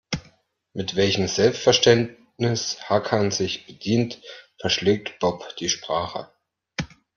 Mit welchem Selbstverständnis Hakan sich bedient, verschlägt Bob die Sprache.